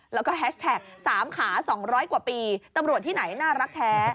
แล้วก็แฮชแท็ก๓ขา๒๐๐กว่าปีตำรวจที่ไหนน่ารักแท้